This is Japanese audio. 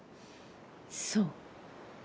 そう。